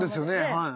はい。